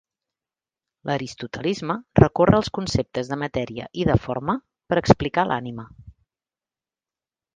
L'aristotelisme recorre als conceptes de matèria i de forma per explicar l'ànima.